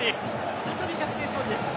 再び逆転勝利です。